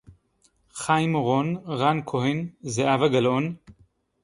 חיים אורון, רן כהן, זהבה גלאון